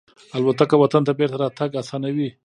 الوتکه وطن ته بېرته راتګ آسانوي.